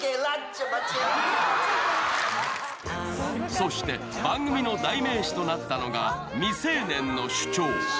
そして番組の代名詞となったのが「未成年の主張」。